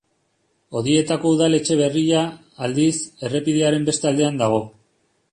Odietako udaletxe berria, aldiz, errepidearen beste aldean dago.